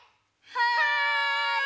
はい！